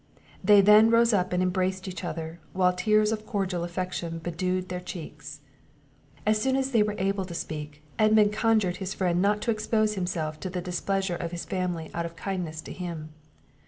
They then rose up and embraced each other, while tears of cordial affection bedewed their cheeks. As soon as they were able to speak, Edmund conjured his friend not to expose himself to the displeasure of his family out of kindness to him.